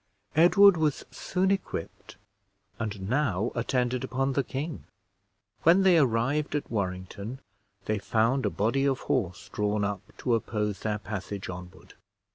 Edward was soon equipped, and now attended upon the king. When they arrived at Warrington, they found a body of horse drawn up to oppose their passage onward.